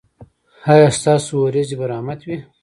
ایا ستاسو ورېځې به رحمت وي؟